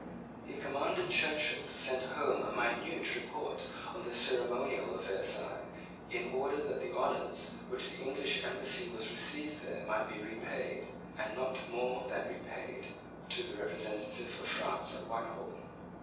He commanded Churchill to send home a minute report of the ceremonial of Versailles, in order that the honours with which the English embassy was received there might be repaid, and not more than repaid, to the representative of France at Whitehall.